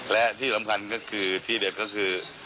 และที่สำคัญก็คือที่เด็ดก็คือ